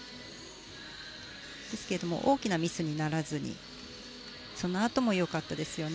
ですけれども大きなミスにならずそのあともよかったですよね。